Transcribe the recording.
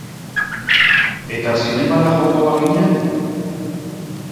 Eta zinemara joango bagina?